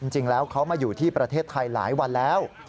จริงแล้วเขามาอยู่ที่ประเทศไทยหลายวันแล้ว